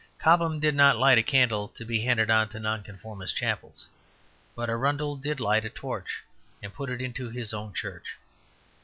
Cobham did not light a candle to be handed on to Nonconformist chapels; but Arundel did light a torch, and put it to his own church.